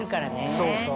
そうそう。